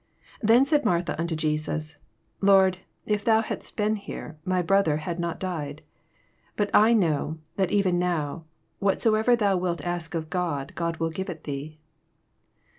21 Then said Martha unto Jesus, Lord, if thou hadst been here, my brother had not died. 22 But I know, that even now, what soever thou wilt ask of God, God will give it thee.